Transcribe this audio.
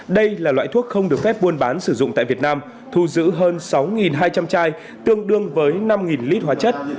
đây là loại thuốc không được phép buôn bán sử dụng tại việt nam thu giữ hơn sáu hai trăm linh chai tương đương với năm lít hóa chất